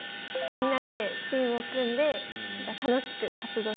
みんなでチームを組んで楽しく活動してました。